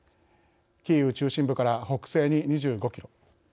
キーウ中心部から北西に２５キロ。